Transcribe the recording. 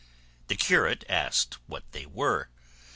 The curate asked what they were.